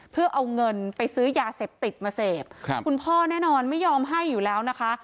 เพื่อเอาเงินไปซื้อยาเสพติดมาเสพครับคุณพ่อแน่นอนไม่ยอมให้อยู่แล้วนะคะ